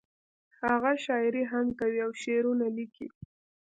هغه شاعري هم کوي او شعرونه لیکي